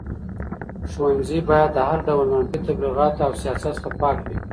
ښوونځي باید د هر ډول منفي تبلیغاتو او سیاست څخه پاک وي.